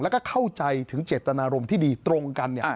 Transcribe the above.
แล้วก็เข้าใจถึงเจตนารมณ์ที่ดีตรงกัน